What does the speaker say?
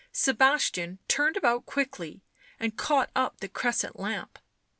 Sebastian turned about quickly, and caught up the cresset lamp.